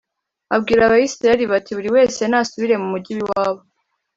Abwira abisirayeli ati buri wese nasubire mu mugi w’iwabo